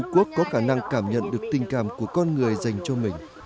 quốc có khả năng cảm nhận được tình cảm của con người dành cho mình